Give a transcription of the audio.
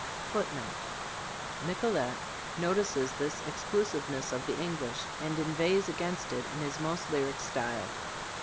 [Footnote: Michelet notices this exclusiveness of the English, and inveighs against it in his most lyric style.